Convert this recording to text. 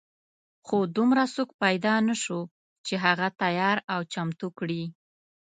خو دومره څوک پیدا نه شو چې هغه تیار او چمتو کړي.